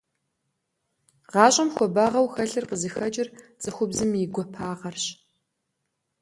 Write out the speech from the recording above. ГъащӀэм хуабагъэу хэлъыр къызыхэкӀыр цӀыхубзым и гуапагъэращ.